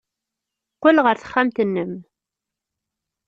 Qqel ɣer texxamt-nnem.